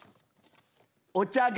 お茶が。